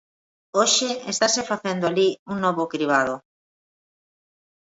Hoxe estase facendo alí un novo cribado.